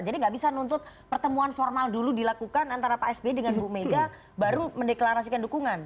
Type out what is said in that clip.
jadi gak bisa nuntut pertemuan formal dulu dilakukan antara pak sby dengan bu mega baru mendeklarasikan dukungan